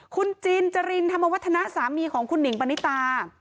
คุณจินจรินธรรมวัฒนะสามีของคุณหนิงปณิตา